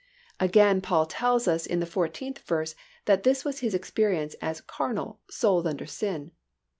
Again Paul tells us in the fourteenth verse that this was his experience as "carnal, sold under sin."